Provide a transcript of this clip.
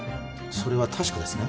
それは確かですね？